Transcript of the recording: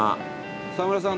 澤村さん。